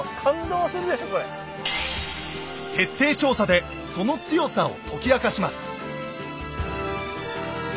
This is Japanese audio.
徹底調査でその強さを解き明かします。